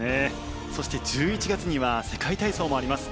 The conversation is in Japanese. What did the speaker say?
そして、１１月には世界体操もあります。